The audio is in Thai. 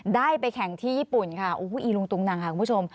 ได้ไปแข่งที่ญี่ปุ่นค่ะโอ้โหอีลุงตุงนังค่ะคุณผู้ชม